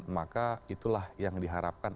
maka itulah yang diharapkan